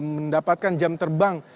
mendapatkan jam terbang